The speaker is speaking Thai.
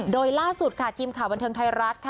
โดยล่าสุดค่ะทีมข่าวบันเทิงไทยรัฐค่ะ